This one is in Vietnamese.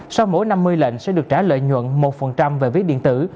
sau mỗi năm mươi lệnh sẽ được trả lợi nhuận một về ví điện tử